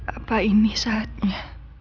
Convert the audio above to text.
apa ini saatnya